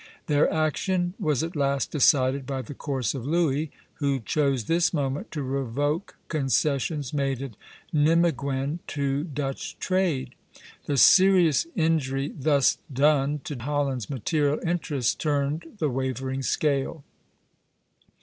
Their action was at last decided by the course of Louis, who chose this moment to revoke concessions made at Nimeguen to Dutch trade. The serious injury thus done to Holland's material interests turned the wavering scale.